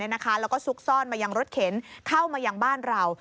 แล้วก็ซุกซ่อนมายังรถเข็นเข้ามายังบ้านเรา